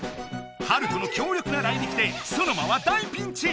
ハルトの強力なライリキでソノマは大ピンチ！